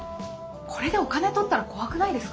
これでお金取ったら怖くないですか！？